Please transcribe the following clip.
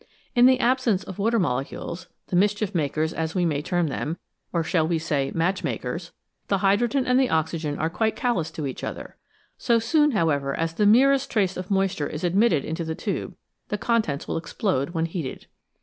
In the absence of water molecules the mischief makers, we may term them, or shall we say match makers ? the hydrogen and the oxygen are quite callous to each other. So soon, however, as the merest trace of moisture is admitted into the tube, the contents will explode when heated.